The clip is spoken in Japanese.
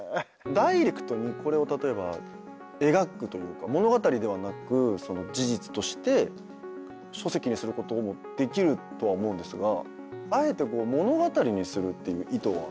ダイレクトにこれを例えば描くというか物語ではなく事実として書籍にすることもできるとは思うんですがあえて物語にするっていう意図は？